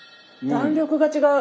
弾力が違う。